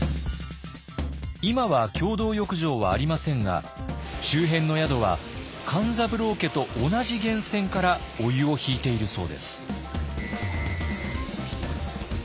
今は共同浴場はありませんが周辺の宿は勘三郎家と同じ源泉からお湯を引いているそうです。